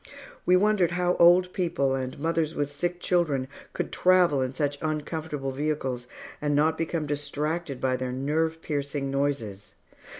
We wondered how old people and mothers with sick children could travel in such uncomfortable vehicles and not become distracted by their nerve piercing noises.